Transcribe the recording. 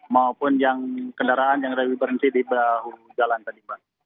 maupun yang kendaraan yang lebih berhenti di bahu jalan tadi mbak